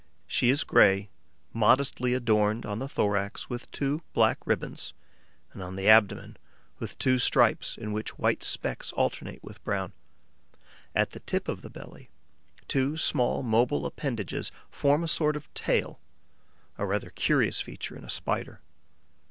She is grey, modestly adorned on the thorax with two black ribbons and on the abdomen with two stripes in which white specks alternate with brown. At the tip of the belly, two small, mobile appendages form a sort of tail, a rather curious feature in a Spider.